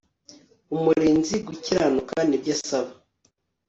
umurinzi gukiranuka nibyo asaba